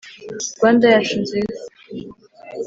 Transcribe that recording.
rwanda yacu nziza ,